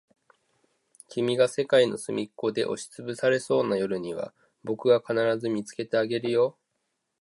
君が世界のすみっこで押しつぶされそうな夜には、僕が必ず見つけてあげるよ。